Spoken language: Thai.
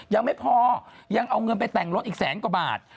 ยังไม่พอยังเอาเงินไปแต่งรถอีกแสนกว่าบาท